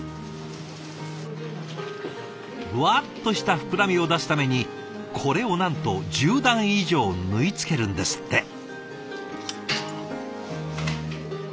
ふわっとした膨らみを出すためにこれをなんと１０段以上縫い付けるんですって。